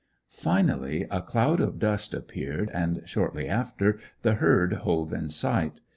Finally a cloud of dust appeared, and shortly after, the herd hove in sight.